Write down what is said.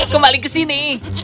kembali ke sini